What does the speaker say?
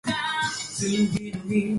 Ermita, Balayan, Batangas.